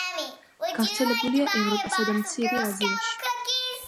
გავრცელებულია ევროპასა და მცირე აზიაში.